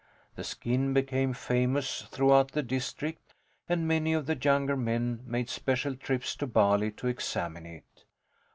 The skin became famous throughout the district, and many of the younger men made special trips to Bali to examine it.